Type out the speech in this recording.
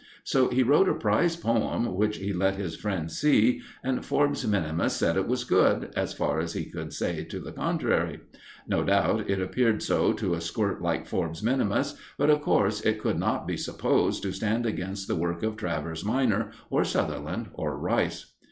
So he wrote a prize poem which he let his friends see, and Forbes minimus said it was good, as far as he could say to the contrary. No doubt it appeared so to a squirt like Forbes minimus, but, of course, it could not be supposed to stand against the work of Travers minor, or Sutherland, or Rice.